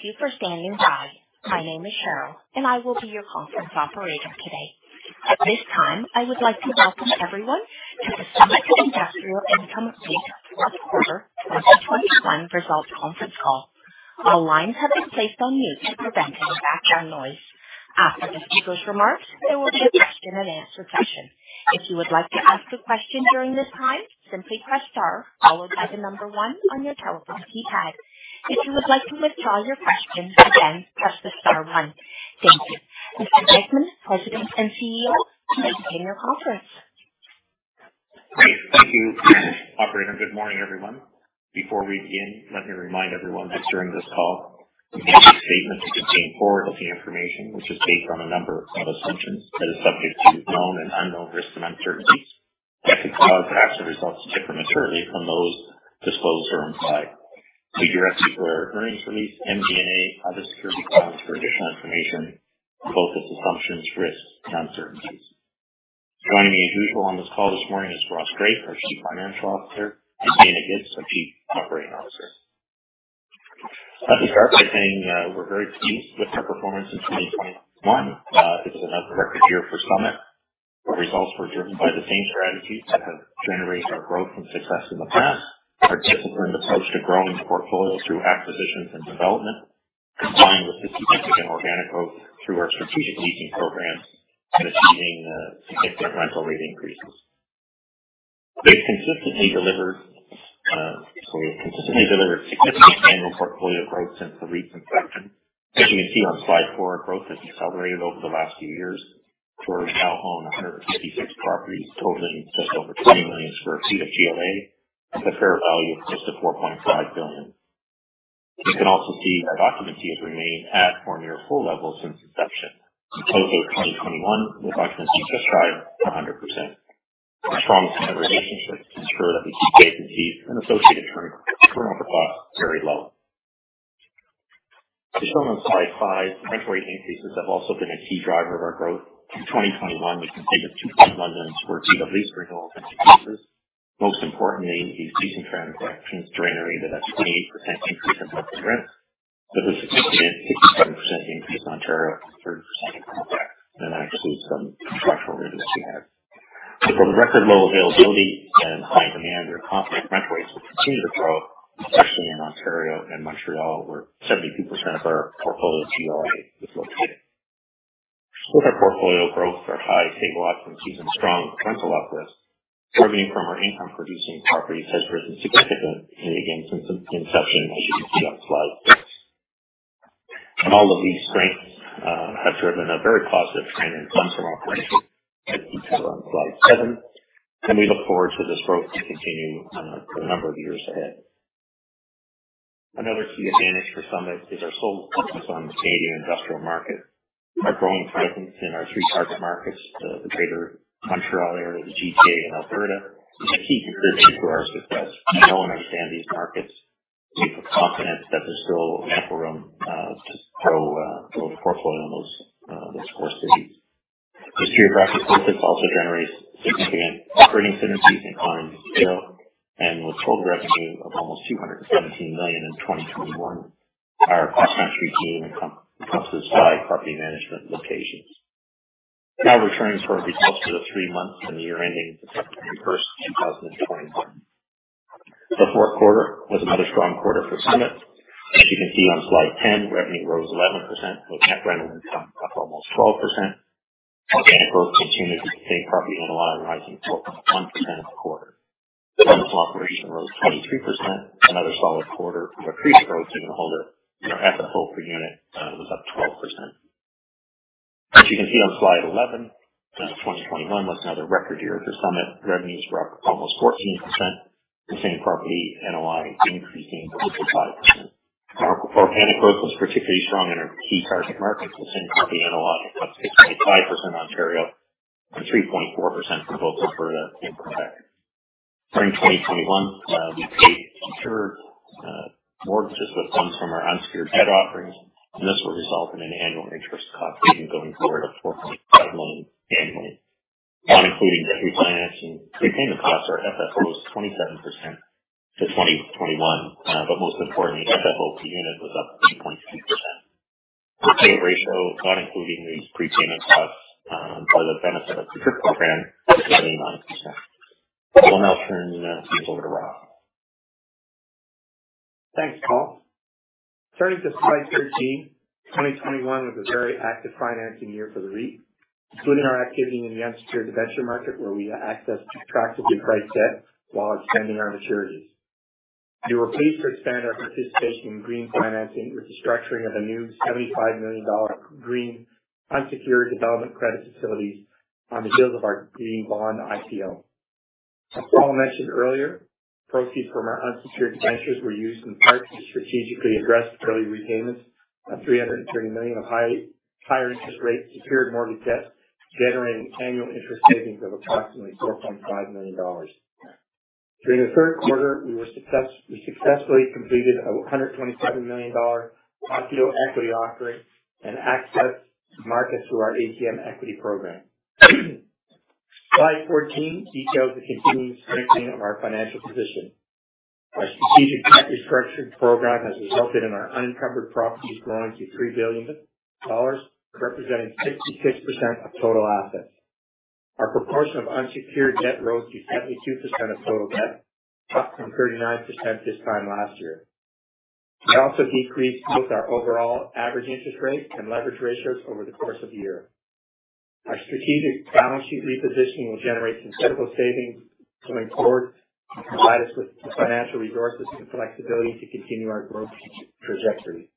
Thank you for standing by. My name is Cheryl, and I will be your conference operator today. At this time, I would like to welcome everyone to the Summit Industrial Income REIT fourth quarter 2021 results conference call. All lines have been placed on mute to prevent any background noise. After the speaker's remarks, there will be a question-and-answer session. If you would like to ask a question during this time, simply press star followed by the number one on your telephone keypad. If you would like to withdraw your question, again, press the star one. Thank you. Mr. Dykeman, President and CEO, you may begin your conference. Great. Thank you operator. Good morning, everyone. Before we begin, let me remind everyone that during this call, we may make statements containing forward-looking information which is based on a number of assumptions that are subject to known and unknown risks and uncertainties that could cause actual results to differ materially from those disclosed or implied. We direct you to our earnings release, MD&A, other securities filings for additional information on both those assumptions, risks, and uncertainties. Joining me as usual on this call this morning is Ross Drake, our Chief Financial Officer, and Dayna Gibbs, our Chief Operating Officer. I'd like to start by saying, we're very pleased with our performance in 2021. It was another record year for Summit. Our results were driven by the same strategies that have generated our growth and success in the past, our disciplined approach to growing the portfolio through acquisitions and development, combined with the significant organic growth through our strategic leasing programs and achieving significant rental rate increases. We've consistently delivered significant annual portfolio growth since the REIT's inception. As you can see on slide 4, our growth has accelerated over the last few years. We now own 156 properties totaling just over 20 million sq ft of GLA at a fair value of just over 4.5 billion. You can also see our occupancy has remained at or near full level since inception. To close out 2021 with occupancy just shy of 100%. Our strong tenant relationships ensure that we keep vacancy and associated turnover costs very low. As shown on slide 5, rent rate increases have also been a key driver of our growth. Through 2021, we completed 2.1 million sq ft of lease renewals and increases. Most importantly, these lease and tenant collections generated a 28% increase in monthly rent, with a significant 67% increase in Ontario and 30% in Quebec. That excludes some contractual renewals we had. For the record low availability and high demand, we're confident rent rates will continue to grow, especially in Ontario and Montreal, where 72% of our portfolio GLA is located. With our portfolio growth, our high stable occupancies, and strong rental uplift, revenue from our income-producing properties has risen significantly again since inception, as you can see on slide 6. All of these strengths have driven a very positive trend in funds from operations, as detailed on slide 7, and we look forward to this growth to continue for a number of years ahead. Another key advantage for Summit is our sole focus on the Canadian industrial market. Our growing presence in our three target markets, the Greater Montreal area, the GTA, and Alberta, is a key contributor to our success. We know and understand these markets. We have confidence that there's still ample room to grow the portfolio in those core cities. This geographic focus also generates significant operating synergies and economies of scale. With total revenue of almost 217 million in 2021, our cost-conscious team encompasses five property management locations. Now returning to our results for the three months and the year ending December thirty-first, two thousand and twenty-one. The fourth quarter was another strong quarter for Summit. As you can see on slide 10, revenue rose 11%, with net rental income up almost 12%. Organic growth continued with same-property NOI rising 12.1% in the quarter. Funds from operations rose 23%. Another solid quarter for accretive growth to the holder. Our FFO per unit was up 12%. As you can see on slide 11, 2021 was another record year for Summit. Revenues were up almost 14%. Same-property NOI increasing 12.5%. Our organic growth was particularly strong in our key target markets, with same-property NOI up 6.5% in Ontario and 3.4% for both Alberta and Quebec. During 2021, we paid secured mortgages with funds from our unsecured debt offerings, and this will result in an annual interest cost savings going forward of 4.5 million annually. Not including the refinancing prepayment costs, our FFO was 27% to 2021. But most importantly, FFO per unit was up 3.6%. Our payout ratio, not including these prepayment costs, and for the benefit of the SCIP program, was 99%. I will now turn things over to Ross. Thanks Paul. Turning to slide 13. 2021 was a very active financing year for the REIT, including our activity in the unsecured debenture market, where we accessed attractively priced debt while extending our maturities. We were pleased to expand our participation in green financing with the structuring of a new 75 million dollar green unsecured development credit facility on the heels of our green bond issuance. As Paul mentioned earlier, proceeds from our unsecured debentures were used in part to strategically address early repayments of CAD 330 million of higher interest rate secured mortgage debt, generating annual interest savings of approximately 4.5 million dollars. During the third quarter, we successfully completed a 127 million dollar equity offering and accessed markets through our ATM equity program. Slide 14 details the continuing strengthening of our financial position. Our strategic debt restructuring program has resulted in our unencumbered properties growing to 3 billion dollars, representing 66% of total assets. Our proportion of unsecured debt rose to 72% of total debt, up from 39% this time last year. We also decreased both our overall average interest rate and leverage ratios over the course of the year. Our strategic balance sheet repositioning will generate substantial savings going forward and provide us with the financial resources and flexibility to continue our growth trajectory.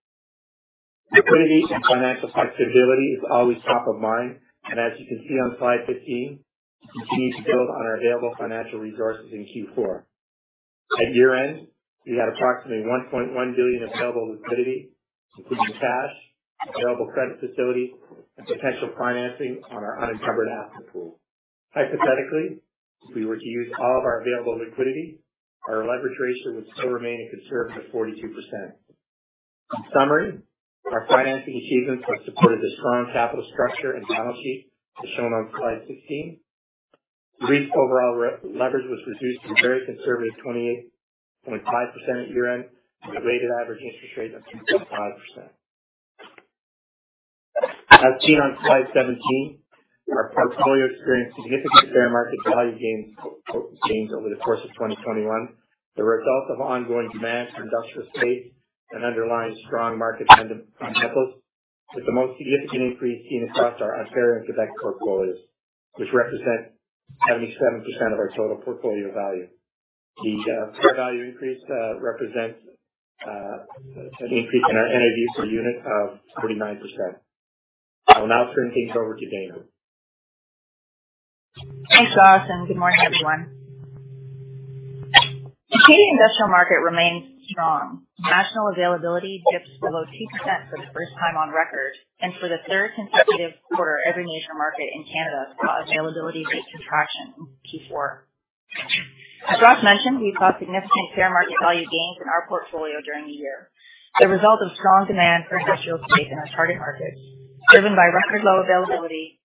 Liquidity and financial flexibility is always top of mind, and as you can see on slide 15, we continue to build on our available financial resources in Q4. At year-end, we had approximately 1.1 billion in available liquidity, including cash, available credit facility, and potential financing on our unencumbered asset pool. Hypothetically, if we were to use all of our available liquidity, our leverage ratio would still remain a conservative 42%. In summary, our financing achievements have supported a strong capital structure and balance sheet, as shown on slide 16. The REIT's overall leverage was reduced to a very conservative 28.5% at year-end with a weighted average interest rate of 2.5%. As seen on slide 17, our portfolio experienced significant fair market value gains over the course of 2021. The result of ongoing demand for industrial space and underlying strong market fundamentals, with the most significant increase seen across our GTA and Quebec portfolios, which represent 77% of our total portfolio value. The fair value increase represents an increase in our NAV per unit of 39%. I will now turn things over to Dayna. Thanks Ross and good morning everyone. The Canadian industrial market remains strong. National availability dips below 2% for the first time on record, and for the third consecutive quarter, every major market in Canada saw availability rate contraction in Q4. As Ross mentioned, we saw significant fair market value gains in our portfolio during the year, the result of strong demand for industrial space in our target markets, driven by record low availability,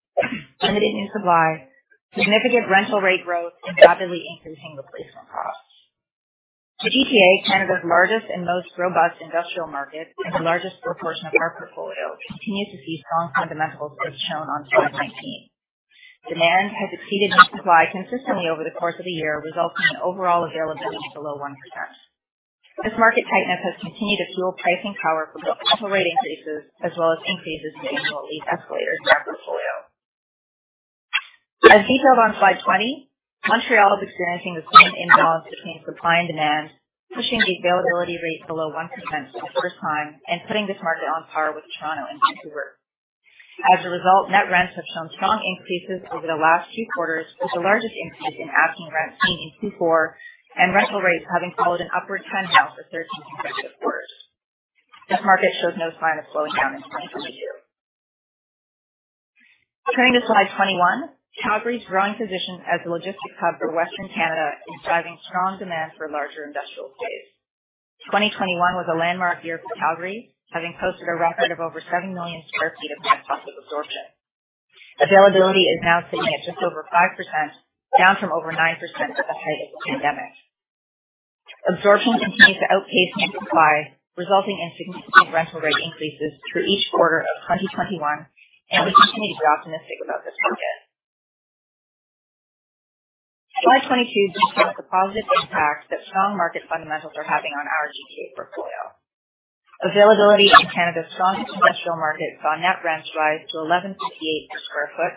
limited new supply, significant rental rate growth, and rapidly increasing replacement costs. The GTA, Canada's largest and most robust industrial market, and the largest proportion of our portfolio, continued to see strong fundamentals as shown on slide 19. Demand has exceeded net supply consistently over the course of the year, resulting in overall availability below 1%. This market tightness has continued to fuel pricing power for both rental rate increases as well as increases to annual lease escalators in our portfolio. As detailed on slide 20, Montreal is experiencing a similar imbalance between supply and demand, pushing the availability rate below 1% for the first time and putting this market on par with Toronto and Vancouver. As a result, net rents have shown strong increases over the last 2 quarters, with the largest increase in asking rents seen in Q4 and rental rates having followed an upward trend now for 13 consecutive quarters. This market shows no sign of slowing down in 2022. Turning to slide 21. Calgary's growing position as the logistics hub for Western Canada is driving strong demand for larger industrial space. 2021 was a landmark year for Calgary, having posted a record of over 7 million sq ft of net positive absorption. Availability is now sitting at just over 5%, down from over 9% at the height of the pandemic. Absorption continues to outpace net supply, resulting in significant rental rate increases through each quarter of 2021, and we continue to be optimistic about this market. Slide 22 details the positive impact that strong market fundamentals are having on our GTA portfolio. Availability in Canada's strong industrial market saw net rents rise to 11.58 per sq ft,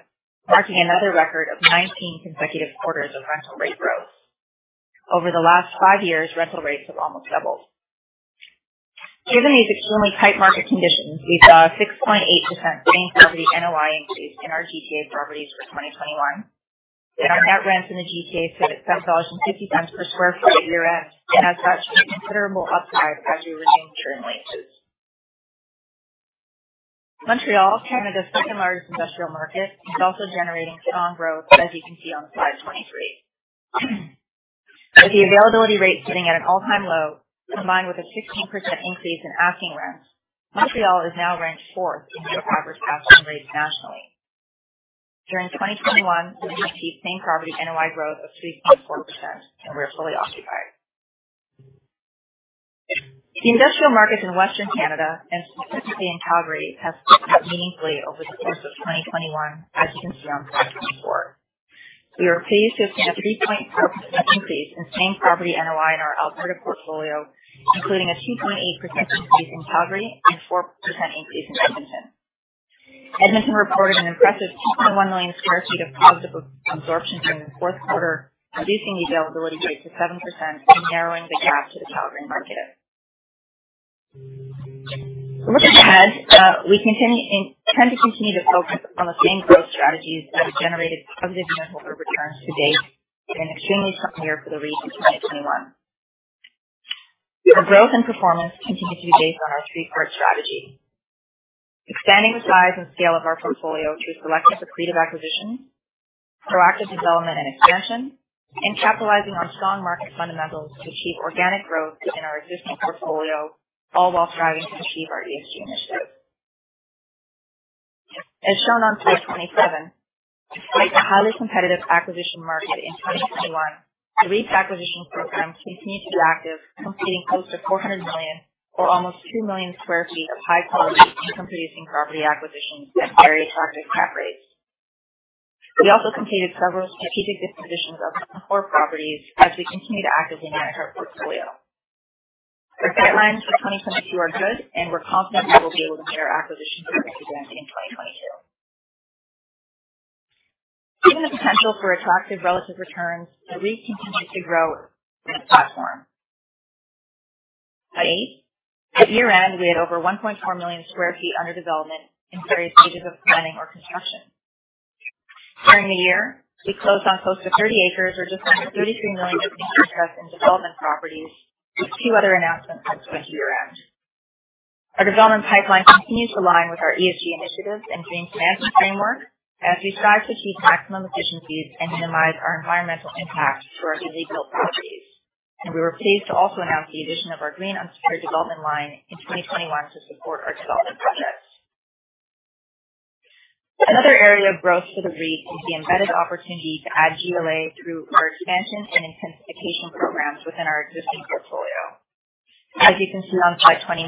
marking another record of 19 consecutive quarters of rental rate growth. Over the last 5 years, rental rates have almost doubled. Given these extremely tight market conditions, we saw a 6.8% same property NOI increase in our GTA properties for 2021, with our net rents in the GTA sitting at 7.50 per sq ft at year-end, and as such, a considerable upside as we renew current leases. Montreal, Canada's second largest industrial market, is also generating strong growth, as you can see on slide 23. With the availability rate sitting at an all-time low, combined with a 16% increase in asking rents, Montreal is now ranked fourth in year-over-year average asking rates nationally. During 2021, we achieved same property NOI growth of 3.4% and were fully occupied. The industrial market in Western Canada, and specifically in Calgary, has strengthened meaningfully over the course of 2021, as you can see on slide 24. We are pleased to have seen a 3.4% increase in same property NOI in our Alberta portfolio, including a 2.8% increase in Calgary and 4% increase in Edmonton. Edmonton reported an impressive 2.1 million sq ft of positive absorption during the fourth quarter, reducing the availability rate to 7% and narrowing the gap to the Calgary market. Looking ahead, we intend to continue to focus on the same growth strategies that have generated positive net shareholder returns to date in an extremely strong year for the REIT in 2021. Our growth and performance continue to be based on our three-part strategy. Expanding the size and scale of our portfolio through selective accretive acquisitions, proactive development and expansion, and capitalizing on strong market fundamentals to achieve organic growth in our existing portfolio, all while striving to achieve our ESG initiatives. As shown on slide 27, despite the highly competitive acquisition market in 2021, the lease acquisition program continued to be active, completing close to 400 million or almost 2 million sq ft of high quality income producing property acquisitions at very attractive cap rates. We also completed several strategic dispositions of some core properties as we continue to actively manage our portfolio. Our guidelines for 2022 are good, and we're confident we will be able to meet our acquisition targets again in 2022. Given the potential for attractive relative returns, the REIT continues to grow its platform. Slide 8. At year-end, we had over 1.4 million sq ft under development in various stages of planning or construction. During the year, we closed on close to 30 acres or just under 33 million of interest in development properties, with two other announcements towards year-end. Our development pipeline continues to align with our ESG initiatives and green financing framework as we strive to achieve maximum efficiencies and minimize our environmental impact through our newly built properties. We were pleased to also announce the addition of our green unsecured development line in 2021 to support our development projects. Another area of growth for the REIT is the embedded opportunity to add GLA through our expansion and intensification programs within our existing portfolio. As you can see on slide 29,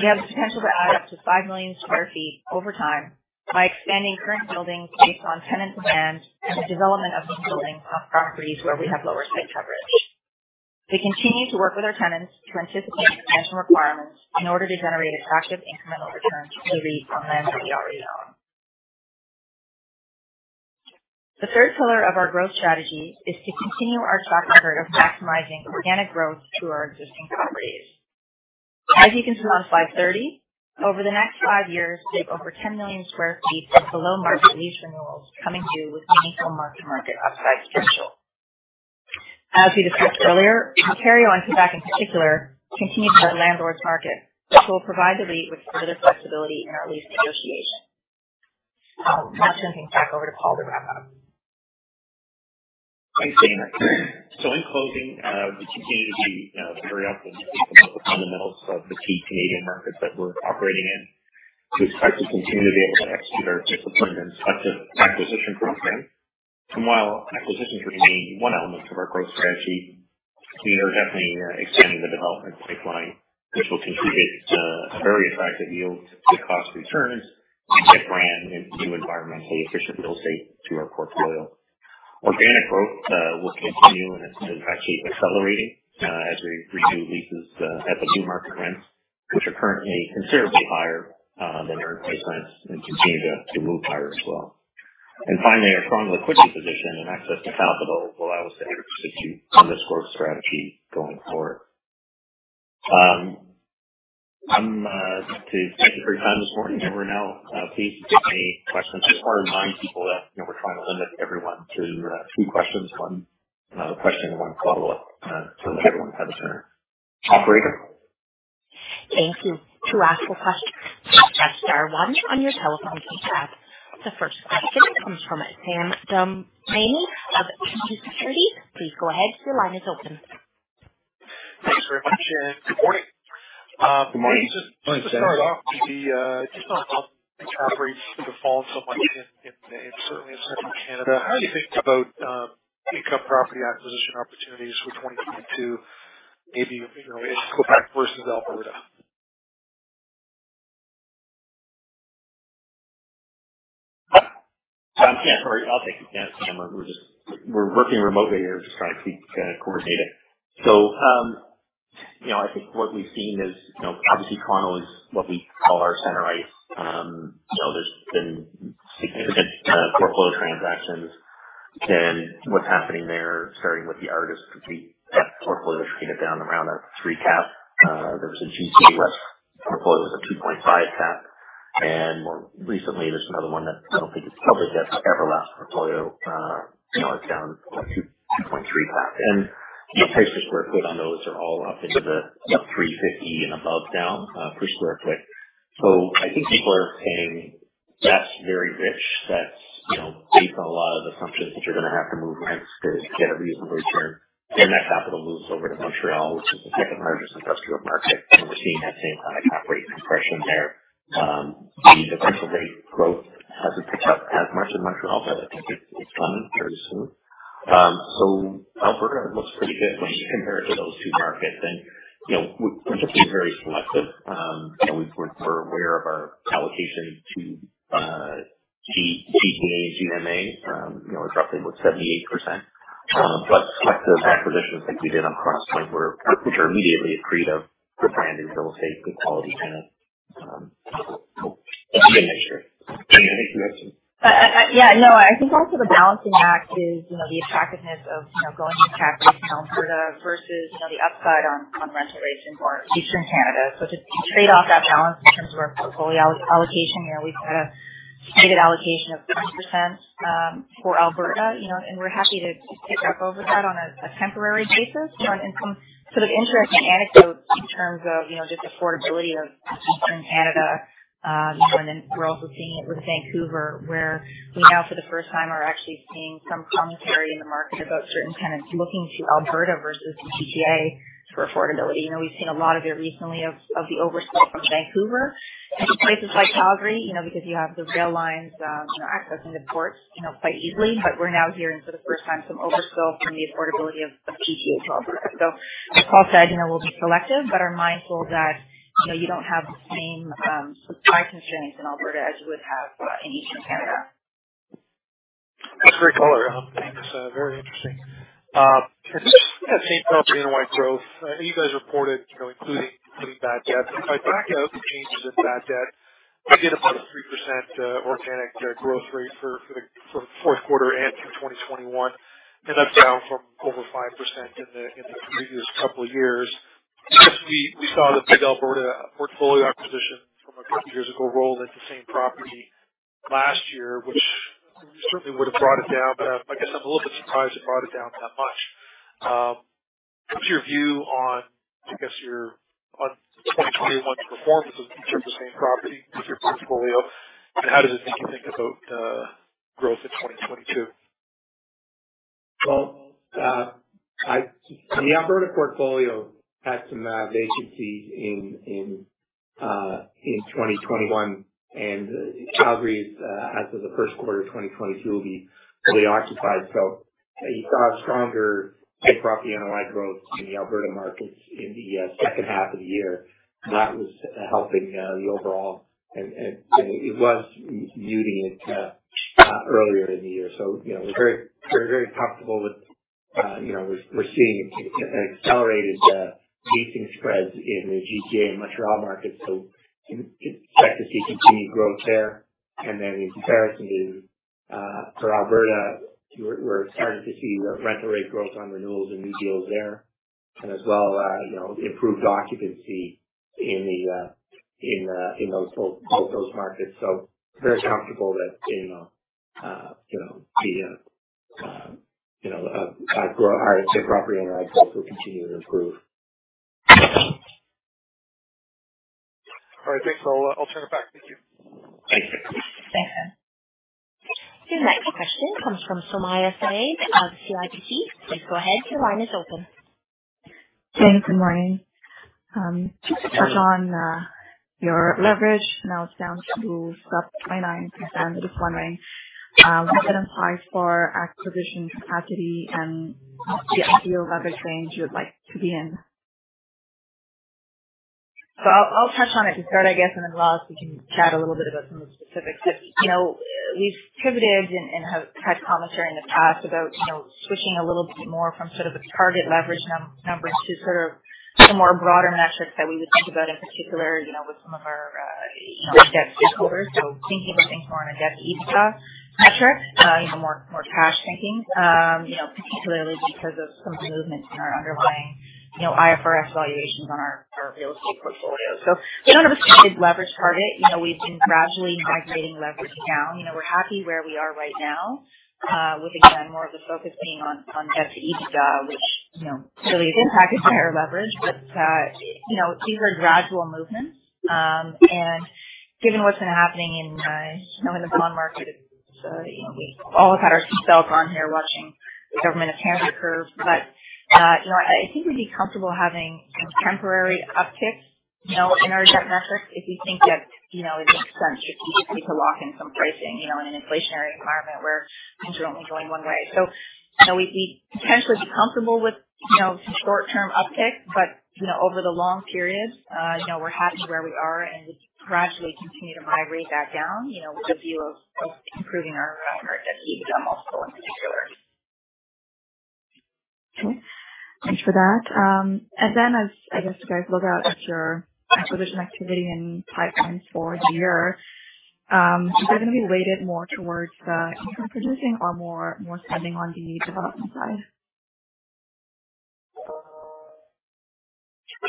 we have the potential to add up to 5 million sq ft over time by expanding current buildings based on tenant demands and the development of new buildings on properties where we have lower site coverage. We continue to work with our tenants to anticipate expansion requirements in order to generate attractive incremental returns to the REIT on land that we already own. The third pillar of our growth strategy is to continue our track record of maximizing organic growth through our existing properties. As you can see on slide 30, over the next 5 years, we have over 10 million sq ft of below market lease renewals coming due with meaningful mark-to-market upside potential. As we discussed earlier, Ontario and Quebec, in particular, continue to be a landlord's market, which will provide the REIT with further flexibility in our lease negotiations. I'll now turn things back over to Paul to wrap up. Thanks Dayna. In closing, we continue to be very optimistic about the fundamentals of the key Canadian markets that we're operating in. We expect to continue to be able to execute our disciplined and selective acquisition program. While acquisitions remain one element of our growth strategy, we are definitely expanding the development pipeline, which will contribute very attractive yield to cost returns and add brand-new environmentally efficient real estate to our portfolio. Organic growth will continue, and it's actually accelerating as we renew leases at the new market rents, which are currently considerably higher than their replacements and continue to move higher as well. Finally, our strong liquidity position and access to capital allows us to execute on this growth strategy going forward. I'm glad to thank you for your time this morning, and we're now pleased to take any questions. I just want to remind people that, you know, we're trying to limit everyone to two questions, one question and one follow-up, so everyone has a turn. Operator. Thank you. To ask a question, press star one on your telephone keypad. The first question comes from Sam Damiani of TD Securities. Please go ahead. Your line is open. Thanks very much. Good morning. Good morning. Just to start off, the just on top cap rates seem to fall so much in, certainly, in central Canada. How do you think about income property acquisition opportunities for 2022? Maybe, you know, let's just go back first into Alberta. Sam, sorry, I'll take it. Sam, we're working remotely here. Just trying to keep coordinated. You know, I think what we've seen is, you know, obviously Toronto is what we call our center ice. There's been significant portfolio transactions. What's happening there, starting with the Artis REIT, that portfolio traded down around a 3 cap. There was a GTA West portfolio that was a 2.5 cap. More recently, there's another one that I don't think is public, that Everlast portfolio, you know, it's down to 2.3 cap. The price per sq ft on those are all up into the 350 and above now, per sq ft. I think people are paying. That's very rich. That's, you know, based on a lot of assumptions that you're gonna have to move rents to get a reasonable return. That capital moves over to Montreal, which is the second largest industrial market, and we're seeing that same kind of cap rate compression there. The differential rate growth hasn't caught up as much in Montreal, but I think it's coming very soon. Alberta looks pretty good when you compare it to those two markets. You know, we're just being very selective. You know, we're aware of our allocation to GTA and GMA. You know, it's roughly what, 78%. Selective acquisitions like we did on Crosspoint, which are immediately accretive, good branding, real estate, good quality tenant. It's a good mixture. Yeah, no, I think also the balancing act is, you know, the attractiveness of, you know, going to cap rates in Alberta versus, you know, the upside on rental rates in more eastern Canada. To trade off that balance in terms of our portfolio allocation, you know, we've got a stated allocation of 50% for Alberta, you know, and we're happy to tip up over that on a temporary basis. You know, and some sort of interesting anecdotes in terms of, you know, just affordability of eastern Canada, you know, and then we're also seeing it with Vancouver, where we now for the first time are actually seeing some commentary in the market about certain tenants looking to Alberta versus the GTA. For affordability. You know, we've seen a lot of it recently of the overspill from Vancouver into places like Calgary, you know, because you have the rail lines, you know, accessing the ports, you know, quite easily. We're now hearing for the first time some overspill from the affordability of GTA to Alberta. As Paul said, you know, we'll be selective but are mindful that, you know, you don't have the same supply constraints in Alberta as you would have in Eastern Canada. That's very colorful, thanks. Very interesting. Just same property NOI growth. I know you guys reported, you know, including bad debt. If I back out the changes in bad debt, I get about a 3% organic growth rate for the fourth quarter and through 2021, and that's down from over 5% in the previous couple years. We saw the big Alberta portfolio acquisition from a couple years ago roll into same property last year, which certainly would have brought it down. I guess I'm a little bit surprised it brought it down that much. What's your view on, I guess, on 2021's performance in terms of same property with your portfolio, and how does it make you think about growth in 2022? The Alberta portfolio had some vacancy in 2021, and Calgary, as of the first quarter of 2022 will be fully occupied. You saw a stronger same property NOI growth in the Alberta markets in the second half of the year. That was helping the overall, and it was muting it earlier in the year. You know, we're very comfortable with, you know, we're seeing accelerated leasing spreads in the GTA and Montreal markets, expect to see continued growth there. Then in comparison for Alberta, we're starting to see rental rate growth on renewals and new deals there. Improved occupancy in both those markets. Very comfortable that, you know, you know, the, you know, same property NOI growth will continue to improve. All right, thanks. I'll turn it back. Thank you. Thanks. Your next question comes from Sumayya Syed of CIBC. Please go ahead. Your line is open. Thanks. Good morning. Just touch on your leverage. Now it's down to about 29% at this point, right? How does that imply for acquisition capacity and the ideal leverage range you would like to be in? I'll touch on it to start, I guess, and then, Ross, you can chat a little bit about some of the specifics. You know, we've pivoted and have had commentary in the past about, you know, switching a little bit more from sort of a target leverage number to sort of some more broader metrics that we would think about in particular, you know, with some of our, you know, debt stakeholders. Thinking of things more on a debt EBITDA metric, you know, more cash-thinking, you know, particularly because of some movements in our underlying, you know, IFRS valuations on our real estate portfolio. We don't have a stated leverage target. You know, we've been gradually migrating leverage down. You know, we're happy where we are right now. With, again, more of a focus being on debt to EBITDA, which, you know, really does package better leverage. You know, these are gradual movements. Given what's been happening in, you know, in the bond market, you know, we've all had our seatbelt on here watching the Government of Canada curve. You know, I think we'd be comfortable having temporary upticks, you know, in our debt metrics if we think that, you know, it makes sense strategically to lock in some pricing, you know, in an inflationary environment where interest rates are only going one way. You know, we'd be potentially comfortable with, you know, some short-term uptick, but, you know, over the long period, you know, we're happy where we are and would gradually continue to migrate back down, you know, with a view of improving our debt to EBITDA multiple in particular. Okay. Thanks for that. As I guess you guys look out at your acquisition activity and pipelines for the year, is that gonna be weighted more towards the income producing or more spending on the development side?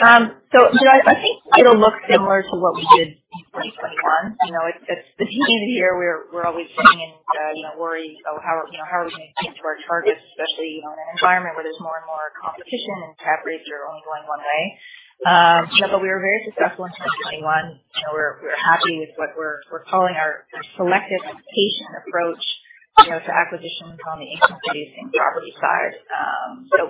I think it'll look similar to what we did in 2021. You know, it's the beginning of the year. We're always sitting in you know worry about how you know how are we gonna get to our targets, especially in an environment where there's more and more competition and cap rates are only going one way. We were very successful in 2021. You know, we're happy with what we're calling our selective patient approach you know to acquisitions on the income-producing property side.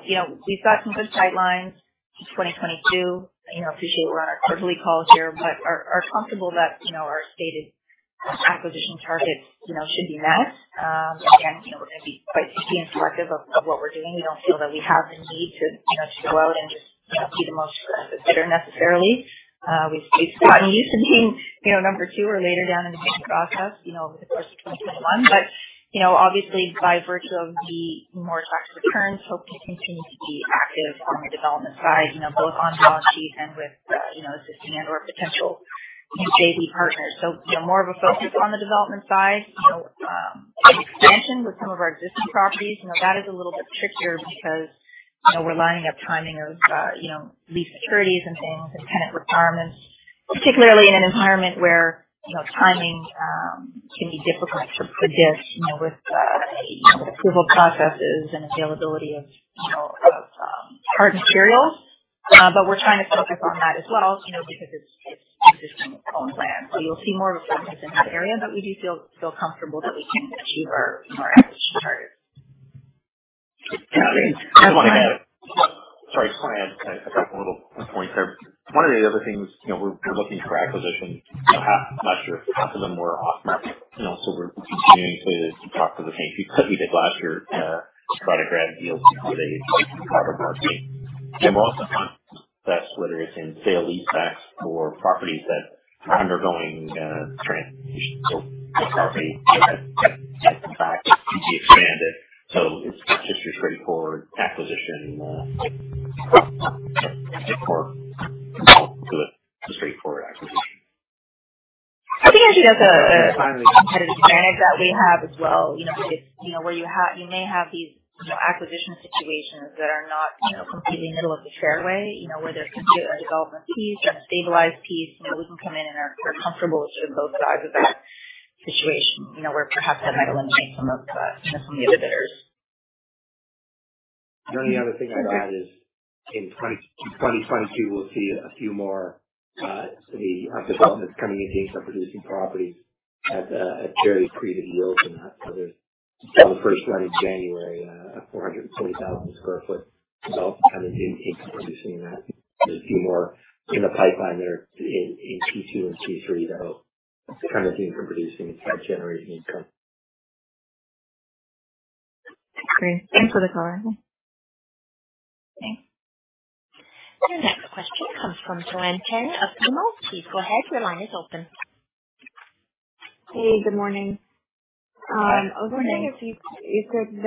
You know, we've got some good pipelines in 2022. You know, I appreciate we're on our quarterly call here, but we are comfortable that, you know, our stated acquisition targets, you know, should be met. Again, you know, we're gonna be quite picky and selective of what we're doing. We don't feel that we have the need to, you know, to go out and just, you know, be the most aggressive bidder necessarily. We sat and listened in, you know, number 2 or later down in the bid process, you know, over the course of 2021. You know, obviously by virtue of the more attractive returns, we hope to continue to be active on the development side, you know, both on balance sheet and with, you know, assisting and/or potential new JV partners. You know, more of a focus on the development side. You know, expansion with some of our existing properties, you know, that is a little bit trickier because, you know, we're lining up timing of, you know, lease securities and things and tenant requirements, particularly in an environment where, you know, timing can be difficult to predict, you know, with, you know, the approval processes and availability of, you know, of, hard materials. We're trying to focus on that as well, you know, because it's existing on land. You'll see more of a focus in that area. We do feel comfortable that we can achieve our, you know, our acquisition targets. Yeah. Sorry, just want to add a couple of little points there. One of the other things, you know, we're looking for acquisitions. You know, half. I'm not sure if half of them were off market. You know, we're continuing to talk to the same people we did last year, try to grab deals before they hit the public market. We're also finding success whether it's in sale leasebacks for properties that are undergoing transformation. A property that has been taken back can be expanded. It's not just your straightforward acquisition, core to the straightforward acquisition. I think, as you know, the competitive advantage that we have as well, you know, it's, you know, where you may have these, you know, acquisition situations that are not, you know, completely middle of the fairway. You know, where there's completely a development piece or a stabilized piece. You know, we can come in and are comfortable with sort of both sides of that situation. You know, where perhaps that might eliminate some of the other bidders. The only other thing I'd add is in 2022, we'll see a few more, the developments coming into income producing properties at very accretive yields. There's the first one in January of 420,000 sq ft. Kind of income producing that. There's a few more in the pipeline there in Q2 and Q3 that'll kind of be income producing and start generating income. Great. Thanks for the color. Thanks. The next question comes from Joanne Chen of BMO. Please go ahead. Your line is open. Hey, good morning. I was wondering if you could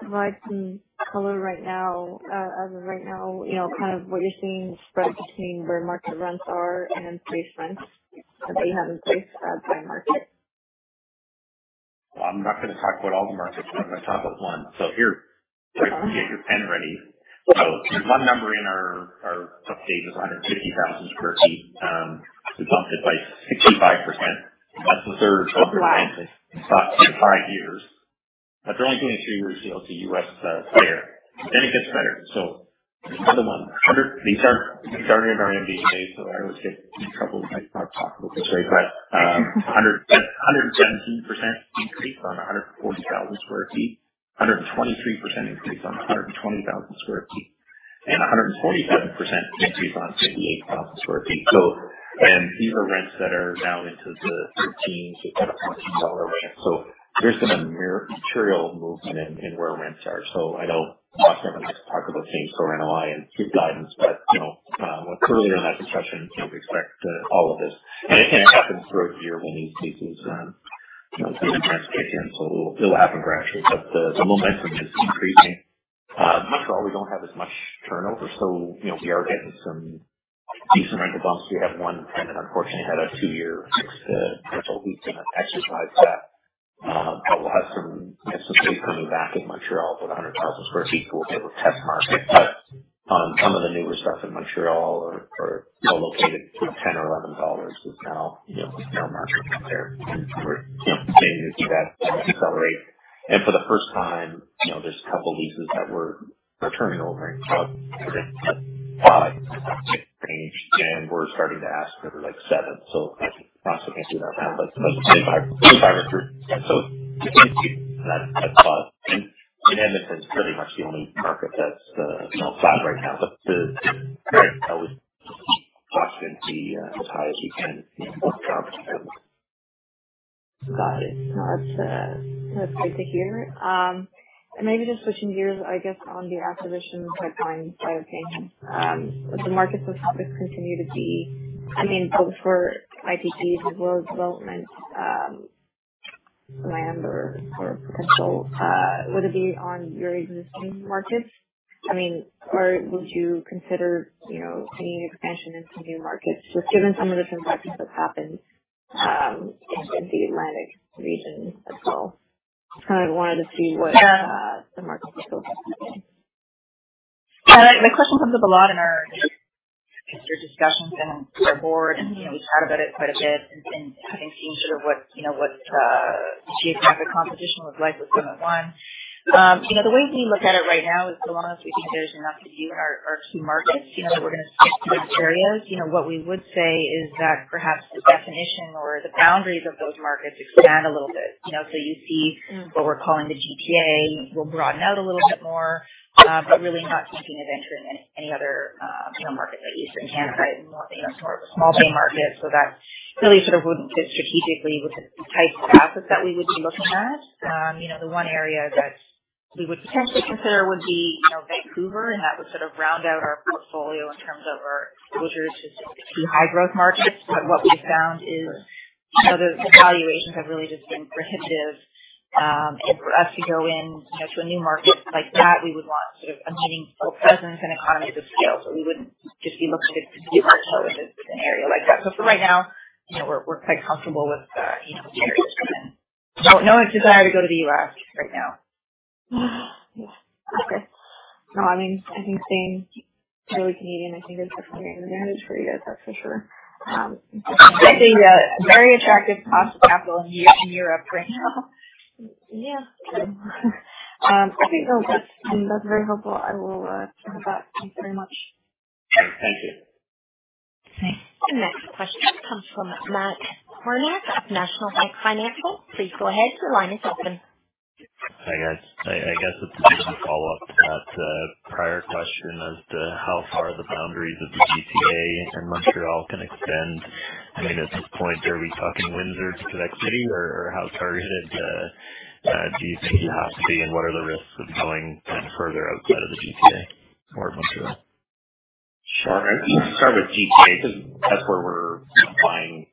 provide some color right now. As of right now, you know, kind of what you're seeing the spread between where market rents are and lease rents that you have in place, by market? Well, I'm not gonna talk about all the markets. I'm gonna talk about one. Here. Okay. Get your pen ready. One number in our book page is 150,000 sq ft. We bumped it by 65%. That's the third highest in 5 years. After only doing a 2-year deal to a U.S. player, it gets better. Another one. These are starting in our NDA, so I always get in trouble if I talk about this, right? A 117% increase on 140,000 sq ft. A 123% increase on 120,000 sq ft and a 147% increase on 58,000 sq ft. These are rents that are now into the thirteens and kind of $14 rent. There's been a material movement in where rents are. I know Boston Properties likes to talk about change for NOI and give guidance, but you know, we're clearly in that discussion. Can't neglect all of this. Again, it happens throughout the year when these leases run, you know, new rents kick in. It'll happen gradually, but the momentum is increasing. Montreal, we don't have as much turnover, so you know, we are getting some decent rental bumps. We have one tenant, unfortunately, had a 2-year fixed rental lease and exercised that. We'll have some space coming back in Montreal with 100,000 sq ft. We'll be able to test market. Some of the newer stuff in Montreal are located 10 or 11 dollars is now you know, now marching up there. We're continuing to see that accelerate. For the first time, you know, there's a couple leases that we're turning over and thought you know what, 6-7 range, and we're starting to ask for like 7. Boston can't do that now, but the rest of Canada can. You can see that thought. Edmonton's pretty much the only market that's you know flat right now. The current I would just keep pushing the as high as you can, you know, those properties. Got it. That's great to hear. Maybe just switching gears, I guess, on the acquisition pipeline side of things. With the market topics continue to be, I mean, both for IPP as well as development, land or potential, would it be on your existing markets? I mean, or would you consider, you know, any expansion into new markets, just given some of the transactions that happened in the Atlantic region as well? Kind of wanted to see what the market looks like. The question comes up a lot in our investor discussions and our board, and you know, we chat about it quite a bit and kind of seeing sort of what shaping up the competition looks like with Summit One. You know, the way we look at it right now is so long as we think there's enough to do in our key markets, you know, that we're gonna stick to those areas. You know, what we would say is that perhaps the definition or the boundaries of those markets expand a little bit. You know, so you see what we're calling the GTA will broaden out a little bit more, but really not thinking of entering any other market like Eastern Canada is more sort of a small bay market. That really sort of wouldn't fit strategically with the types of assets that we would be looking at. You know, the one area that we would potentially consider would be, you know, Vancouver, and that would sort of round out our portfolio in terms of our exposure to high growth markets. What we've found is, you know, the valuations have really just been prohibitive, and for us to go in, you know, to a new market like that, we would want sort of a meaningful presence and economies of scale. We wouldn't just be looking at a few properties in an area like that. For right now, you know, we're quite comfortable with, you know, the areas we're in. No desire to go to the U.S. right now. Okay. No, I mean, I think staying purely Canadian, I think is definitely a advantage for you guys, that's for sure. I think, yeah, very attractive cost of capital in Europe right now. Yeah. I think that's very helpful. I will turn it back. Thank you very much. Thank you. The next question comes from Matt Kornack of National Bank Financial. Please go ahead. The line is open. Hi guys. I guess it's just a follow-up to that prior question as to how far the boundaries of the GTA and Montreal can extend. I mean, at this point, are we talking Windsor to Quebec City or how targeted do you think you have to be and what are the risks of going kind of further outside of the GTA or Montreal? Sure. Let me start with GTA, because that's where we're buying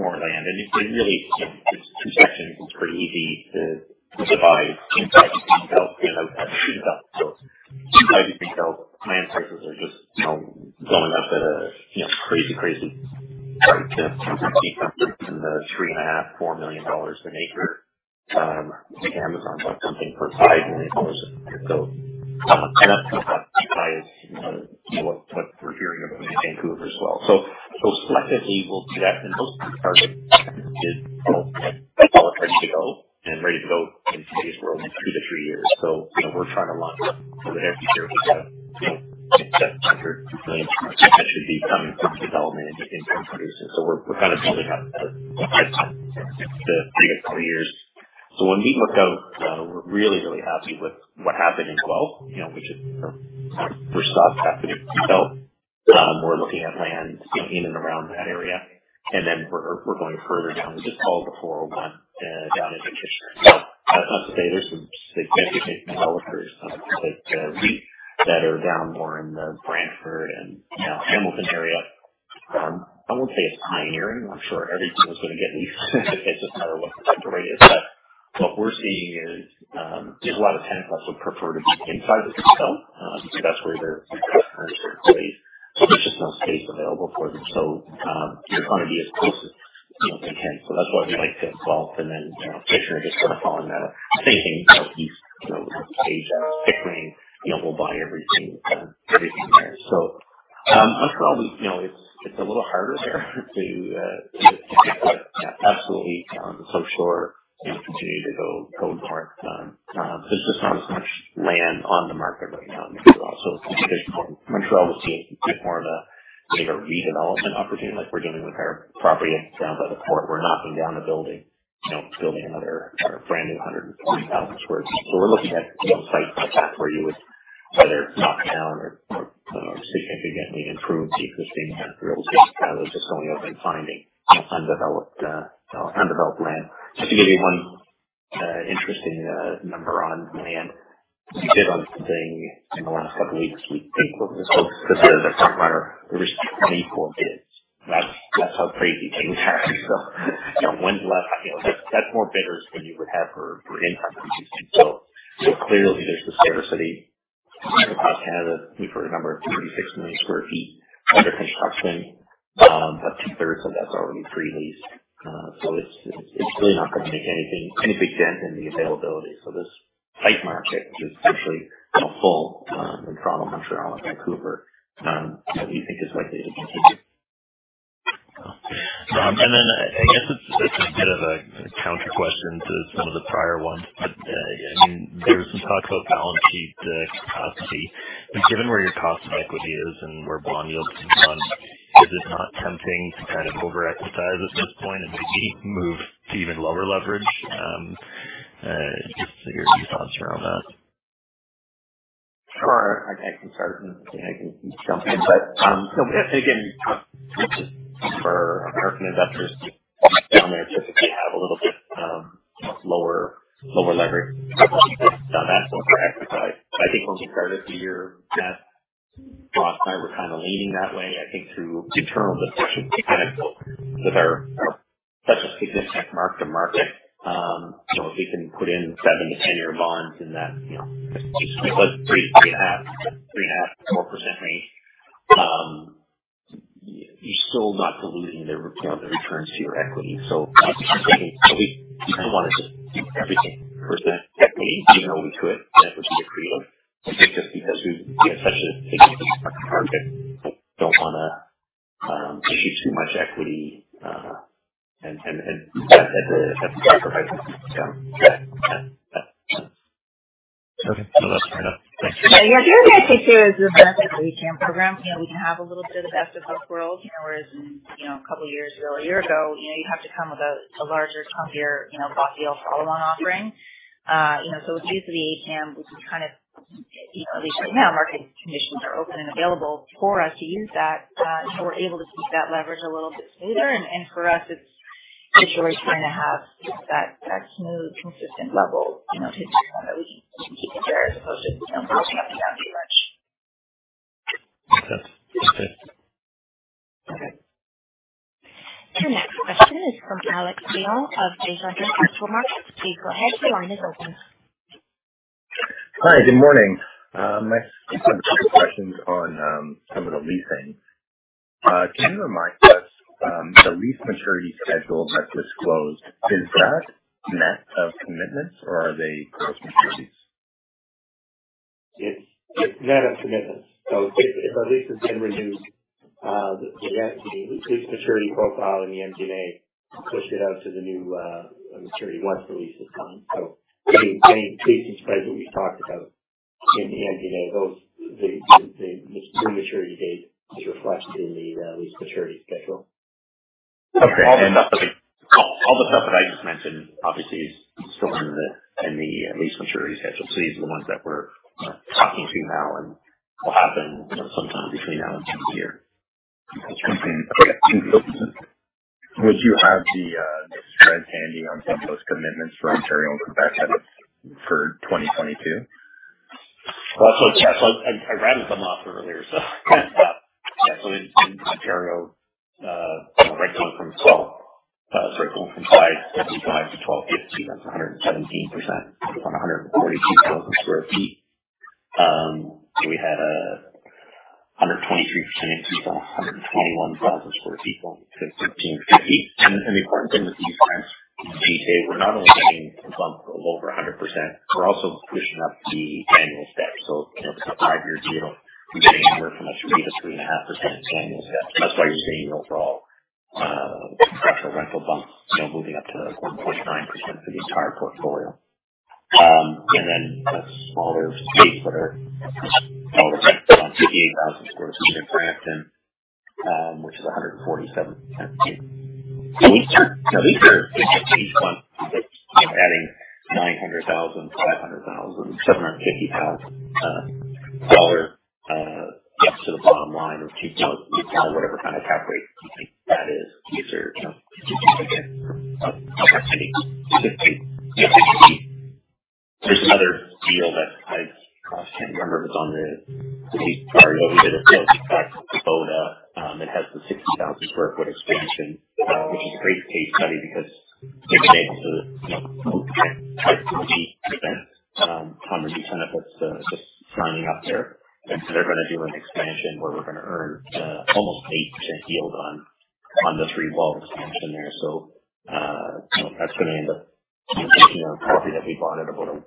more land. It's really, you know, it's two sections. It's pretty easy to divide inside the GTA, you know, as you think about. Inside the GTA, land prices are just, you know, going up at a, you know, crazy rate. You know, some of the key companies in the 3.5-4 million dollars an acre. I think Amazon bought something for 5 million dollars an acre. That's kind of like GTA's, you know what we're hearing about in Vancouver as well. Selectively we'll do that. Those targets are all ready to go in today's world in 2-3 years. You know, we're trying to launch so that every year we've got, you know, CAD 700 million that should be coming from development into income producing. We're gonna do that for the next 3-4 years. When we look out, we're really happy with what happened in 2012. You know, we should—our first stock after the detail. We're looking at land, you know, in and around that area, and then we're going further down. We just called the 401 down into Kitchener. Not to say there's some significant developers like we that are down more in the Brantford and, you know, Hamilton area. I won't say it's pioneering. I'm sure everything is gonna get leased. It's just a matter what the type of rate is. What we're seeing is a lot of tenants also prefer to be inside the GTA. Because that's where their customers are based, so there's just no space available for them. You want to be as close as, you know, they can. That's why we like to invest and then, you know, Kitchener just sort of falls in that same, you know, east, you know, vein of Pickering. You know, we'll buy everything there. Montreal, you know, it's a little harder there to get. Yeah, absolutely, sure, you know, continue to go north. There's just not as much land on the market right now. There's also Montreal is seeing a bit more of a, you know, redevelopment opportunity like we're doing with our property down by the port. We're knocking down a building, you know, building another brand new 140,000 sq ft. We're looking at, you know, sites like that where you would whether it's knocking down or, you know, significantly improving the existing kind of real estate, rather than just going out and finding undeveloped land. Just to give you one interesting number on land. We did one thing in the last couple of weeks. We think what was supposed to start sooner. We received 24 bids. That's how crazy things are. You know, that's more bidders than you would have for income-producing assets. Clearly there's scarcity across Canada. We've heard a number of 36 million sq ft under construction, but two-thirds of that's already pre-leased. It's really not gonna make any big dent in the availability. This tight market, which is actually, you know, full in Toronto, Montreal and Vancouver, we think is likely to continue. I guess it's a bit of a counter question to some of the prior ones, but I mean, there's some talk about balance sheet capacity. Given where your cost of equity is and where bond yields have gone, is it not tempting to kind of over-equitize at this point and maybe move to even lower leverage? Just to hear your thoughts around that. Sure. I can start and I can jump in. Again, just for American investors down there typically have a little bit, you know, lower leverage on that. To equitize, I think we'll be harder to turn to the bond side. We're kind of leaning that way. I think through internal discussions, we kind of feel that we have such a significant mark-to-market, you know, if we can put in 7 to 10-year bonds in that, you know, 2.5%, 3.5%, 4% range, you're still not diluting the, you know, the returns to your equity. I think we kinda wanna just keep everything in equity, even though we could and it would be accretive. I think just because we have such a significant mark-to-market, we don't wanna issue too much equity, and at the sacrifice. Yeah. Okay. Well, that's fair enough. Thanks. Yeah. The other good thing too is the benefit of the ATM program. You know, we can have a little bit of the best of both worlds. You know, whereas in a couple of years, a year ago, you know, you have to come with a larger, clunkier, you know, block deal for all one offering. You know, it's due to the ATM, which is kind of, you know, at least right now, market conditions are open and available for us to use that. We're able to keep that leverage a little bit smoother. For us it's really trying to have that smooth, consistent level, you know, to kind of we can compare as opposed to, you know, bouncing up and down too much. Okay. Okay. Okay. The next question is from Alex Leone of BMO Capital Markets. Please go ahead. Your line is open. Hi. Good morning. I have two questions on some of the leasing. Can you remind us the lease maturity schedule that's disclosed, is that net of commitments or are they gross maturities? It's net of commitments. If a lease has been renewed, then that would be the lease maturity profile in the MD&A pushed it out to the new maturity once the lease is signed. Any leasing spread that we've talked about, and you know, those, the maturity date is reflected in the lease maturity schedule. Okay. All the stuff that I just mentioned obviously is still in the lease maturity schedule. These are the ones that we're talking to now and will happen, you know, sometime between now and the end of the year. Okay. Would you have the spread handy on some of those commitments for Ontario and Quebec for 2022? I rounded them off earlier, yeah. In Ontario, you know, rent going from 5.50 to 12.50. That's 117% on 142,000 sq ft. We had 123% increase on 121,000 sq ft to CAD 13.50. The important thing with these rents is, TJ, we're not only getting a bump of over 100%, we're also pushing up the annual steps. You know, it's a 5-year deal. We're getting anywhere from 3%-3.5% annual step. That's why you're seeing an overall, perhaps a rental bump, you know, moving up to 1.9% for the entire portfolio. A smaller space that are, you know, the rent on 68,000 sq ft in Brampton, which is 147%. These are, you know, these are each one, like, you know, adding 900,000, 500,000, 750,000 dollars gets to the bottom line of keeping, you know, whatever kind of cap rate you think that is. These are, you know, significant of activity. There's another deal that I can't remember if it's on the lease or not. We did a deal in Québec, Terrebonne, that has the 60,000 sq ft expansion, which is a great case study because they've been able to, you know, move from 8% on the new tenant that's just signing up there. They're gonna do an expansion where we're gonna earn almost 8% yield on the three-wall expansion there. You know, that's gonna end up taking a property that we bought at about a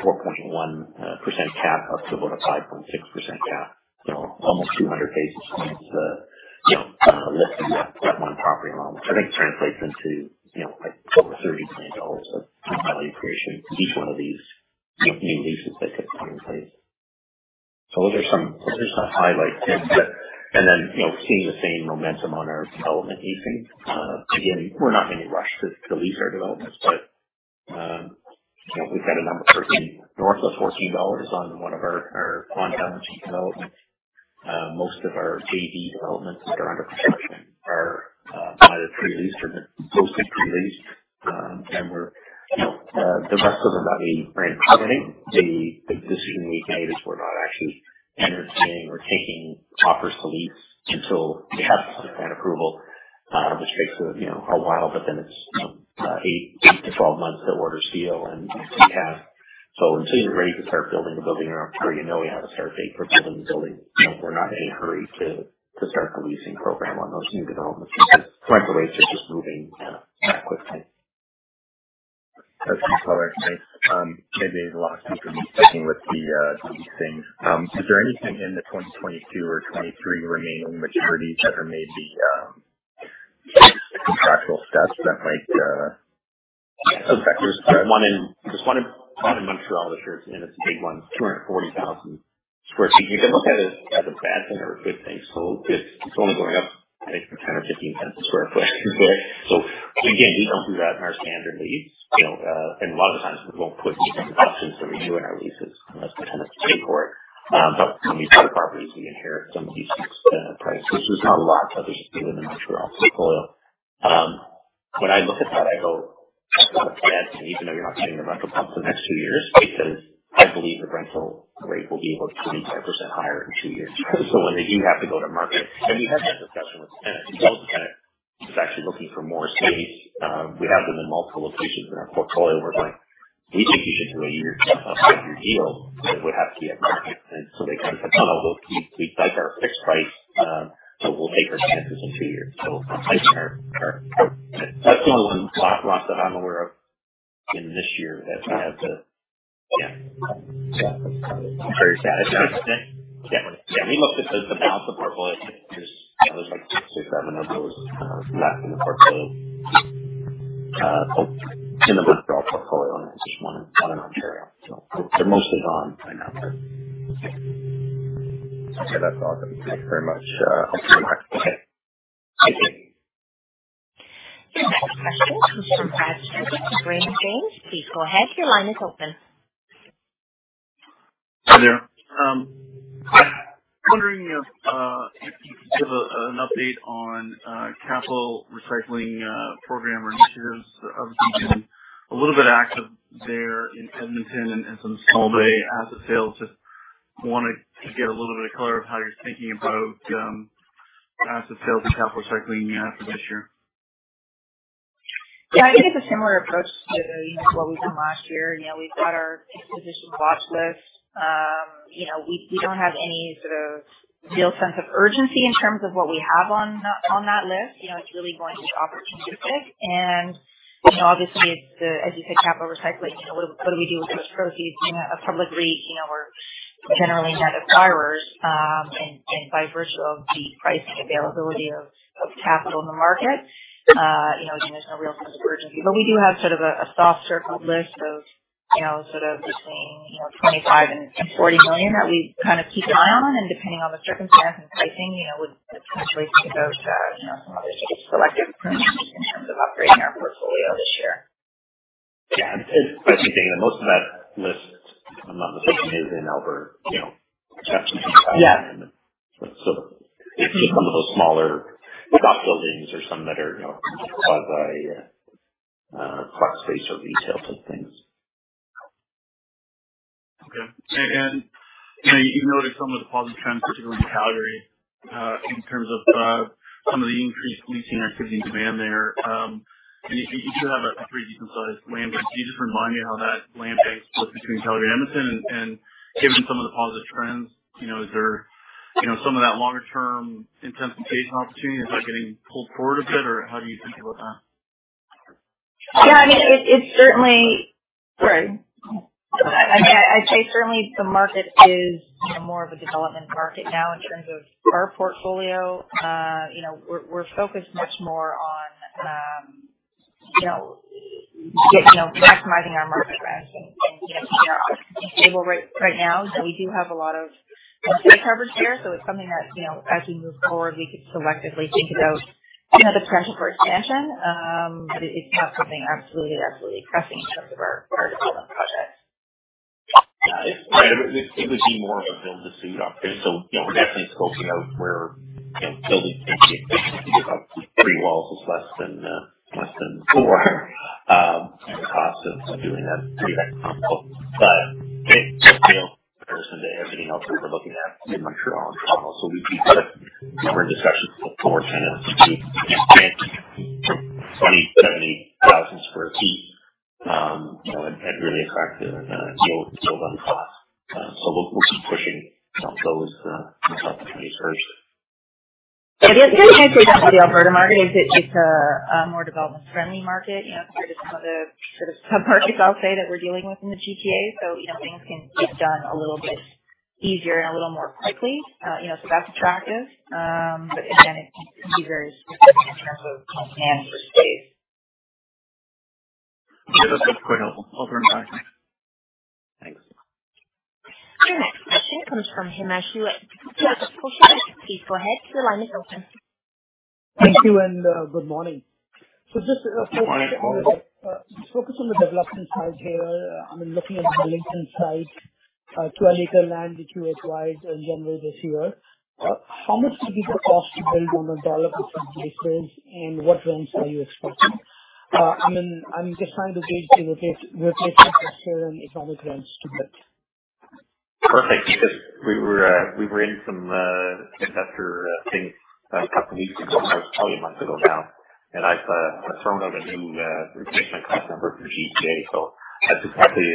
4.1% cap up to about a 5.6% cap. Almost 200 basis points lift of that one property alone, which I think translates into like over 30 million dollars of top value creation for each one of these new leases that gets put in place. Those are some highlights there. Then, you know, seeing the same momentum on our development leasing. Again, we're not gonna rush to lease our developments. You know, we've had a number for north of 14 dollars on one of our downtown spec developments. Most of our JV developments that are under construction are either pre-leased or been mostly pre-leased. We're, you know, the rest of them that are in permitting. The decision we've made is we're not actually entertaining or taking offers to lease until we have site plan approval, which takes a while, but then it's, you know, 8-12 months to order steel. So as soon as we're ready to start building the building or after we know we have a start date for building the building, you know, we're not in any hurry to start the leasing program on those new developments because rental rates are just moving that quickly. That's useful. Thanks. Maybe there's a lot you can be sticking with the leasing. Is there anything in the 2022 or 2023 remaining maturities that are maybe contractual steps that might? Okay. There's one in Montreal that sure is, and it's a big one, 240,000 sq ft. You can look at it as a bad thing or a good thing. It's only going up, I think from 0.10 or 0.15 a sq ft. Again, we don't do that in our standard lease, you know, and a lot of times we won't put these kinds of options that we do in our leases unless the tenant is paying for it. But when we buy the properties, we inherit some of these fixed prices. This is how a lot of others do it in the Montreal portfolio. When I look at that, I go, that's not a bad thing, even though you're not getting the rental bumps the next two years, because I believe the rental rate will be about 25% higher in two years. When they do have to go to market, and we had that discussion with the tenant. The tenant is actually looking for more space. We have them in multiple locations in our portfolio. We're like, "We think you should do a five-year deal that would have you at market." They kind of said, "No, no, we'll keep. We like our fixed price, but we'll take our chances in two years." That's the one loss that I'm aware of in this year that we have to. Yeah. Yeah. That's very satisfying. Yeah. We looked at the balance of the portfolio. There's, you know, like six or seven of those left in the portfolio in the Montreal portfolio, and there's just one in Ontario. So they're mostly gone by now. Okay. That's awesome. Thank you very much. I'll turn it back. Okay. Thank you. Your next question comes from Brad Sturges from Raymond James. Please go ahead. Your line is open. Hi there. I'm wondering if you could give an update on capital recycling program or initiatives. Obviously, you've been a little bit active there in Edmonton and some small bay asset sales. Just wanted to get a little bit of color on how you're thinking about asset sales and capital recycling for this year. Yeah, I think it's a similar approach to, you know, what we've done last year. You know, we've got our disposition watch list. You know, we don't have any sort of real sense of urgency in terms of what we have on that list. You know, it's really going to be opportunistic. You know, obviously it's the capital recycling, as you said. You know, what do we do with those proceeds? You know, a public REIT, you know, we're generally net acquirers, and by virtue of the pricing availability of capital in the market, you know, there's no real sense of urgency. We do have sort of a soft circled list of You know, sort of between, you know, 25 million and 40 million that we kind of keep an eye on. Depending on the circumstance and pricing, you know, would potentially think about, you know, some other selective purchases in terms of upgrading our portfolio this year. Yeah, I think most of that list, I'm not mistaken, is in Alberta, you know, exception. Yeah. It's just some of those smaller non-core buildings or some that are, you know, Crosspoint or retail type things. You know, you noted some of the positive trends, particularly in Calgary, in terms of some of the increased leasing activity and demand there. You do have a pretty decent-sized land bank. Can you just remind me how that land bank split between Calgary and Edmonton? Given some of the positive trends, you know, is there, you know, some of that longer-term intensification opportunity? Is that getting pulled forward a bit, or how do you think about that? Yeah, I mean, it certainly. I'd say certainly the market is, you know, more of a development market now in terms of our portfolio. You know, we're focused much more on, you know, maximizing our market rents and, you know, keeping our occupancy stable right now. You know, we do have a lot of coverage there, so it's something that, you know, as we move forward, we could selectively think about, you know, the pressure for expansion. It's not something absolutely pressing in terms of our development projects. It would be more of a build-to-suit option. You know, we're definitely scoping out where, you know, building can get up to 3 walls with less than 4. And the cost of doing that is pretty economical compared to everything else we've been looking at in Montreal and Toronto. We're kind of in discussions for 10,000-15,000, 27,000 sq ft. You know, at really attractive yield on cost. We'll keep pushing those opportunities first. It's very interesting about the Alberta market is it's a more development friendly market, you know, compared to some of the sort of submarkets I'll say that we're dealing with in the GTA. You know, things can get done a little bit easier and a little more quickly. You know, that's attractive. Again, it can be very specific in terms of demand for space. Yeah. That's quite helpful. I'll turn it back. Thanks. Our next question comes from Himanshu at Scotiabank. Please go ahead. The line is open. Thank you and good morning. Just focus Good morning. Focus on the development side here. I mean, looking at the Burlington site, 12-acre land that you acquired in January this year. How much could be the cost to build on the development of this phase and what rents are you expecting? I mean, I'm just trying to gauge the replacement cost here and economic rents to build. Perfect. Because we were in some investor thing a couple weeks ago, probably a month ago now, and I've thrown out a new replacement cost number for GTA, so that's actually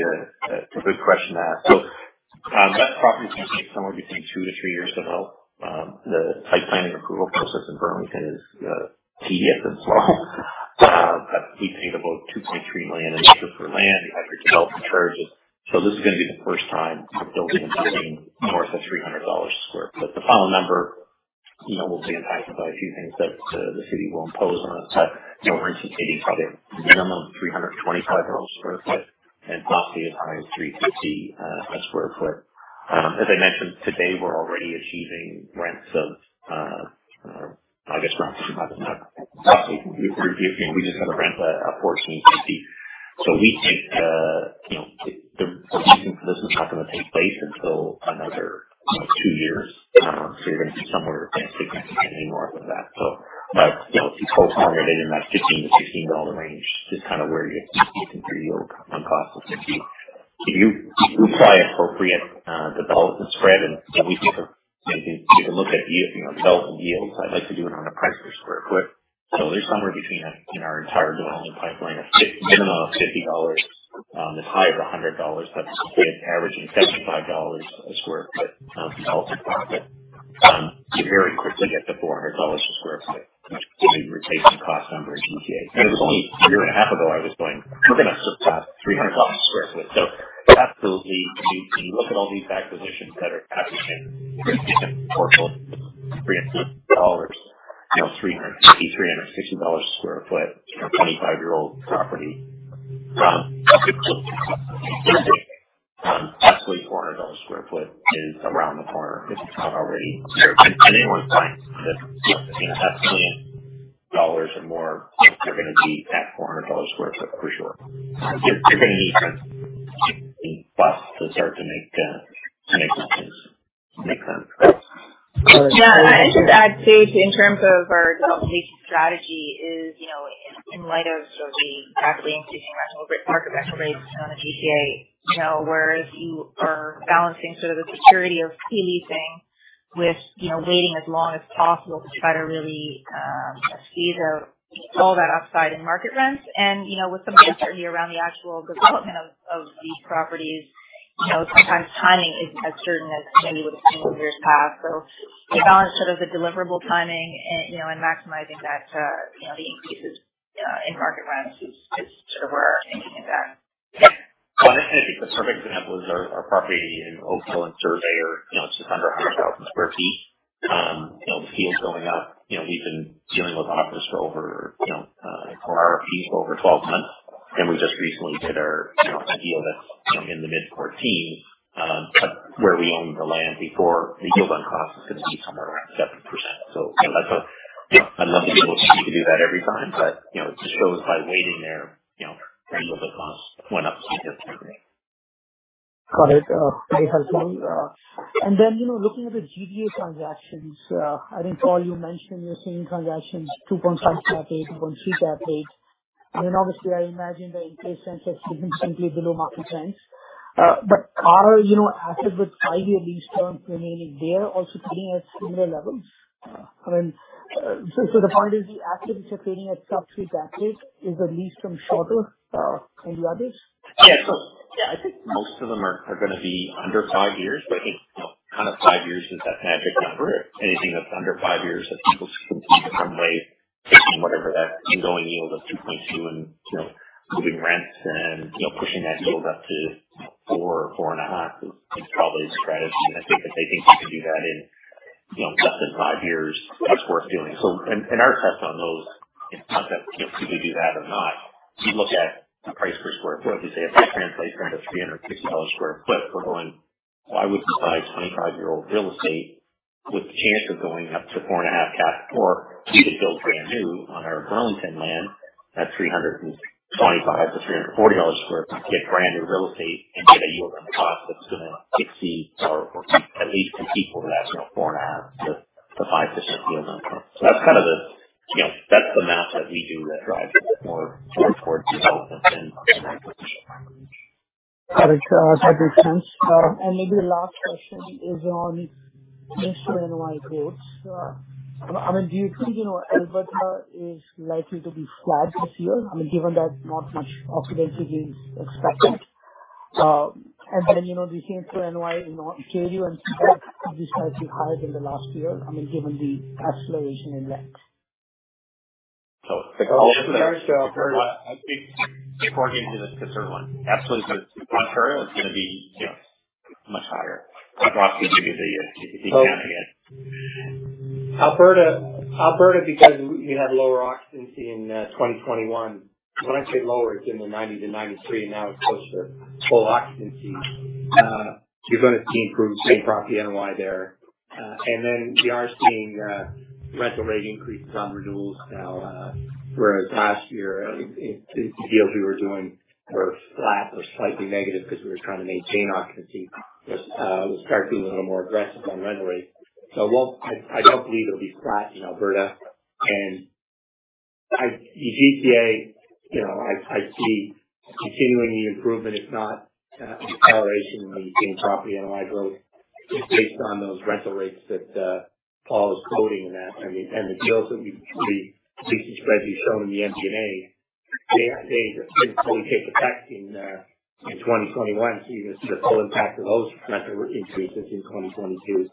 a good question to ask. That property is gonna take somewhere between 2-3 years to develop. The site planning approval process in Burlington is tedious and slow. We paid about 2.3 million per acre for land. You have your development charges, so this is gonna be the first time we're building and seeing north of 300 dollars/sq ft. The final number, you know, will be impacted by a few things that the city will impose on us. We're anticipating probably a minimum of CAD 325/sq ft and possibly as high as 350/sq ft. As I mentioned today, we're already achieving rents of roughly 250. We just had a rent, a portion at 250. We think the leasing for this is not gonna take place until another two years. You're gonna be somewhere significantly north of that. If you total targeted in that 15-16 dollar range is kind of where you can pretty yield on cost. If you apply appropriate development spread, and we think if you look at yield, development yields, I'd like to do it on a price per sq ft. There's somewhere between, in our entire development pipeline, a minimum of 50 dollars, as high as 100 dollars, but averaging 75 dollars a sq ft, development profit. You very quickly get to 400 dollars a sq ft, which gives you replacement cost numbers in GTA. It was only a year and a half ago I was going, "We're gonna surpass 300 bucks a sq ft." Absolutely, when you look at all these acquisitions that are happening in the portfolio, CAD 300, you know, CAD 350, CAD 360 a sq ft in a 25-year-old property. Absolutely CAD 400 a sq ft is around the corner if it's not already there. Anyone's buying this, you know, at 300 dollars or more, they're gonna be at 400 dollars a sq ft for sure. You're gonna need plus to start to make things make sense. Yeah. I'd say in terms of our development strategy is, you know, in light of sort of the rapidly increasing rental market rental rates around the GTA, you know, whereas you are balancing sort of the security of pre-leasing with, you know, waiting as long as possible to try to really seize all that upside in market rents. You know, with some of the uncertainty around the actual development of these properties, you know, sometimes timing isn't as certain as maybe it would have been in years past. The balance sort of the deliverable timing and, you know, and maximizing that, you know, the increases in market rents is sort of where our thinking is at. Yeah. I think the perfect example is our property in Oakville and Surveyor, you know, just under 100,000 sq ft. You know, the deals going up. You know, we've been dealing with office for over, you know, for RFPs over 12 months, and we just recently did our, you know, a deal that's, you know, in the mid-14, but where we owned the land before the yield on cost is gonna be somewhere around 7%. So, you know, that's a. You know, I'd love to be able to do that every time, but, you know, it just shows by waiting there, you know, our yield on cost went up significantly. Got it. Very helpful. You know, looking at the GTA transactions, I think, Paul you mentioned you're seeing transactions 2.5% cap rate, 2.6% cap rate. Obviously, I imagine the increase since has been simply below market trends. Are you know, assets with 5-year lease terms remaining there also trading at similar levels? I mean, so the point is the assets which are trading at sub-3% cap rates, is the lease term shorter than the others? Yeah. Yeah, I think most of them are gonna be under five years, but I think, you know, kind of five years is that magic number. Anything that's under five years that people can see a runway taking whatever that ongoing yield of 2.2% and, you know, moving rents and, you know, pushing that yield up to 4%-4.5% is probably the strategy. I think if they think they can do that in, you know, less than five years, it's worth doing. In our test on those, it's not that, you know, people do that or not. You look at the price per square foot. We say if I translate kind of CAD 360/sq ft, we're going, why would you buy 25-year-old real estate with the chance of going up to 4.5 cap or we could build brand new on our Burlington land at 325-340 dollars/sq ft, get brand new real estate and get a yield on cost that's gonna exceed or be at least equal to that, you know, 4.5%-5% yield on cost. That's kind of the math that we do that drives it more towards development than acquisition. Got it. That makes sense. Maybe the last question is on this NOI growth. I mean, do you think, you know, Alberta is likely to be flat this year? I mean, given that not much occupancy gain is expected. You know, do you think for NOI, you know, KGU and Quebec could be slightly higher than the last year? I mean, given the acceleration in rents. Before I get into the third one. Absolutely. Ontario, it's gonna be, you know, much higher. Same property should be down again. Alberta because we had lower occupancy in 2021. When I say lower, it's in the 90%-93%, and now it's closer to full occupancy. You're gonna see improved same property NOI there. And then we are seeing rental rate increases on renewals now. Whereas last year in the deals we were doing were flat or slightly negative because we were trying to maintain occupancy. We'll start being a little more aggressive on rental rates. I don't believe it'll be flat in Alberta. GTA, you know, I see continuing the improvement. It's not acceleration when you're seeing property NOI growth just based on those rental rates that Paul is quoting in that. I mean, the deals that we recently signed, we've shown in the MD&A, they fully take effect in 2021. You're gonna see the full impact of those rental increases in 2022.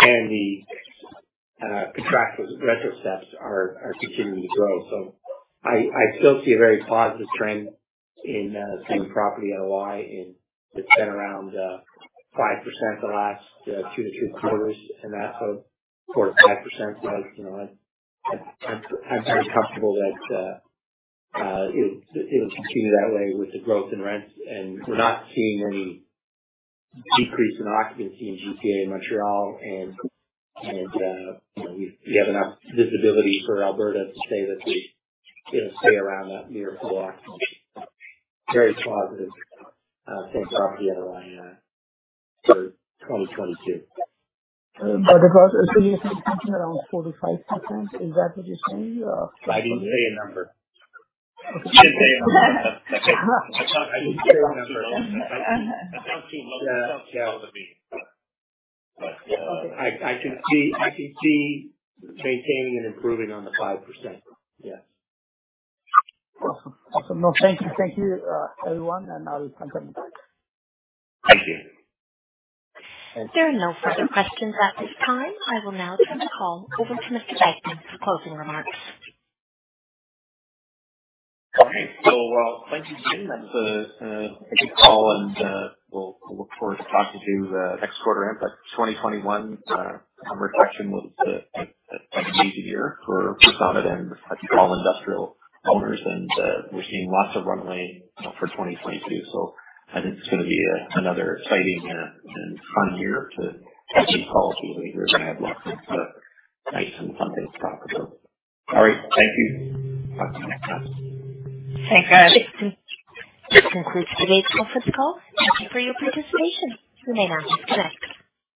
The contractual rent steps are continuing to grow. I still see a very positive trend in same property NOI, and it's been around 5% the last two quarters and that's 4%-5% growth. You know, I'm very comfortable that it will continue that way with the growth in rents, and we're not seeing any decrease in occupancy in GTA, in Montreal. you know, we have enough visibility for Alberta to say that we you know stay around that near full occupancy. Very positive same property NOI for 2022. Across, so you're thinking around 45%, is that what you're saying? I didn't say a number. I'm not too low. It's not too low to be. I can see maintaining and improving on the 5%. Yes. Awesome. No, thank you. Thank you, everyone, and I'll send it back. Thank you. There are no further questions at this time. I will now turn the call over to Mr. Dykeman for closing remarks. Okay. Thank you again. That's a good call and we'll look forward to talking to you next quarter. That 2021 acquisition season was a major year for Summit and all industrial owners. We're seeing lots of runway, you know, for 2022. I think it's gonna be another exciting and fun year to take these calls with you. We're gonna have lots of nice and fun things to talk about. All right. Thank you. Talk to you next time. Thanks guys. This concludes today's conference call. Thank you for your participation. You may now disconnect.